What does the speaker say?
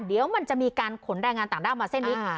เดี๋ยวมันจะมีการขนแรงงานต่างด้าวมาเส้นนี้